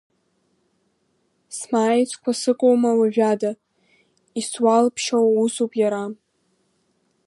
Смааицкәа сыҟоума уажәада, Исуалԥшьоу усуп иара…